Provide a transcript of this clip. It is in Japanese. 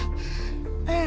うん。